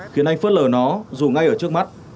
khiến anh phớt lờ nó dù ngay ở trước mắt